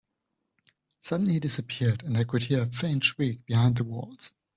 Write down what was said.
Suddenly, he disappeared, and I could hear a faint shriek behind the walls.